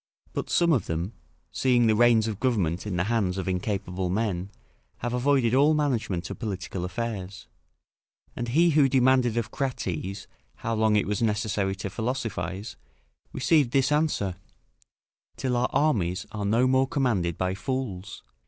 But some of them, seeing the reins of government in the hands of incapable men, have avoided all management of political affairs; and he who demanded of Crates, how long it was necessary to philosophise, received this answer: "Till our armies are no more commanded by fools."